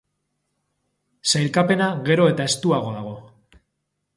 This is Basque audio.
Sailkapena gero eta estuago dago.